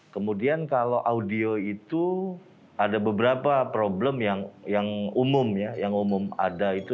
kemudian kalau audio itu ada beberapa problem yang umum ya yang umum ada itu